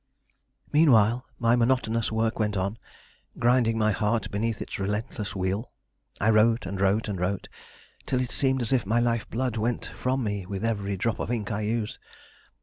Meanwhile my monotonous work went on, grinding my heart beneath its relentless wheel. I wrote and wrote and wrote, till it seemed as if my life blood went from me with every drop of ink I used.